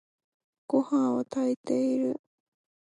ごはんを炊いている。